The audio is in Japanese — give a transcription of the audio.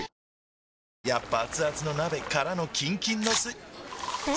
やっぱアツアツの鍋からのキンキンのスん？